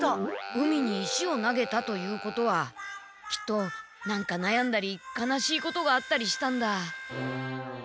海に石を投げたということはきっとなんか悩んだり悲しいことがあったりしたんだ。